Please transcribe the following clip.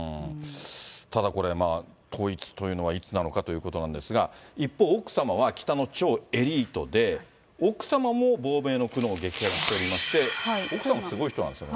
ただこれ、統一というのはいつなのかということなんですが、一方、奥様は北の超エリートで、奥様も亡命の苦悩を激白しておりまして、奥様もすごい人なんですよね。